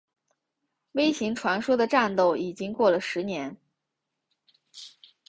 微型传说的战斗已经过了十年。